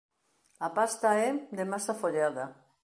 A pasta é de masa follada.